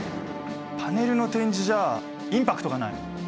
パネルの展示じゃインパクトがない。